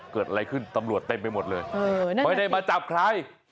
เกิดอะไรขึ้นตำรวจเต็มไปหมดเลยไม่ได้มาจับใคร